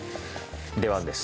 出番です。